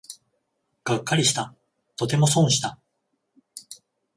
がっかりした、とても損した